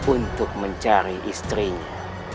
untuk mencari istrinya